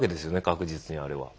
確実にあれは。